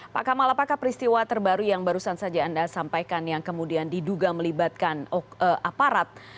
pak kamal apakah peristiwa terbaru yang barusan saja anda sampaikan yang kemudian diduga melibatkan aparat